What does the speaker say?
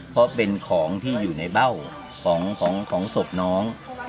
เพราะเป็นของที่อยู่ในเบ้าของศพน้อง